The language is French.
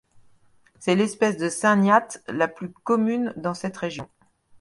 C'est l'espèce de syngnathe la plus commune dans cette région.